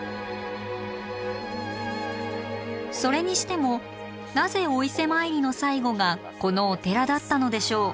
それにしてもなぜお伊勢参りの最後がこのお寺だったのでしょう？